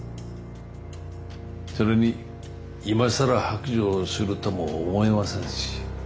それに今更白状するとも思えませんし。